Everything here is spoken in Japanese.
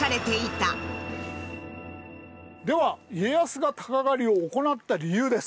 では家康がタカ狩りを行った理由です。